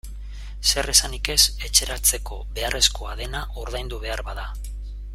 Zer esanik ez etxeratzeko beharrezkoa dena ordaindu behar bada.